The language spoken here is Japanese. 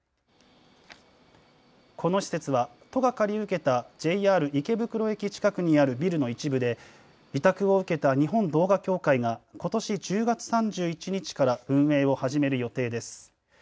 この施設は都が借り受けたＪＲ池袋駅近くにあるビルの一部で委託を受けた日本動画協会がことし１０月３１日から運営を始める予定です。